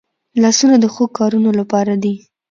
لاسونه د ښو کارونو لپاره دي